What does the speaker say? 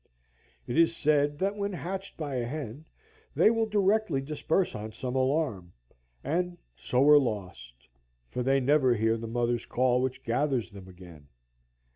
It is said that when hatched by a hen they will directly disperse on some alarm, and so are lost, for they never hear the mother's call which gathers them again.